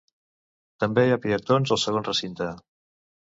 També hi ha panteons al segon recinte.